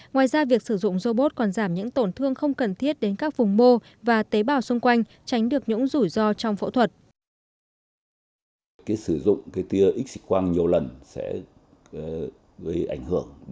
ngoài ra việc sử dụng robot còn giảm những tổn thương không cần thiết đến các vùng mô và tế bào xung quanh